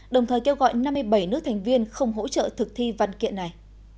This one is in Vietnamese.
đồng thời kêu gọi năm mươi bảy nước thành viên không hỗ trợ thực thi văn kiện này